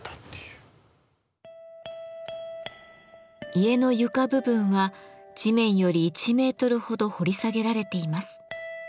家の床部分は地面より１メートルほど掘り下げられています。